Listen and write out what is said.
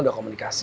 iya udah komunikasi